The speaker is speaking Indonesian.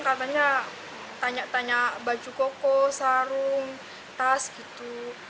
katanya tanya tanya baju koko sarung tas gitu